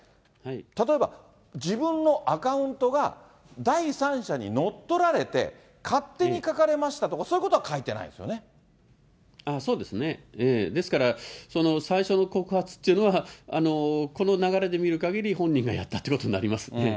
例えば自分のアカウントが、第三者に乗っ取られて、勝手に書かれましたとか、そういうことは書いですから、最初の告発っていうのは、この流れで見るかぎり、本人がやったってことになりますね。